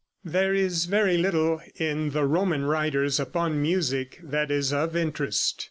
There is very little in the Roman writers upon music that is of interest.